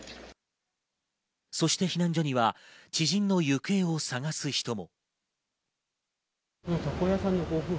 そして避難所には知人の行方を捜す人も。